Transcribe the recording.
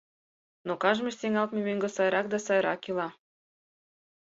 Но кажне сеҥалтме мӧҥгӧ сайрак да сайрак ила.